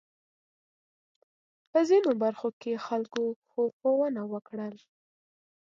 په ځینو برخو کې خلکو ښورښونه وکړل.